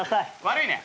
悪いね。